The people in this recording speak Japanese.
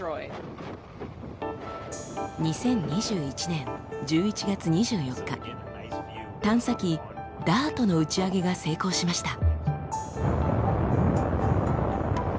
２０２１年１１月２４日探査機「ＤＡＲＴ」の打ち上げが成功しました。